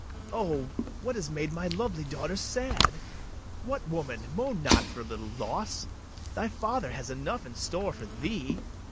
O, what has made my lovely daughter sad? What, woman! moan not for a little loss; Thy father has enough in store for thee.